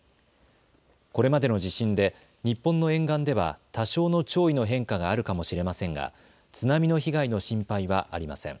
これまでの地震で日本の沿岸では多少の潮位の変化があるかもしれませんが津波の被害の心配はありません。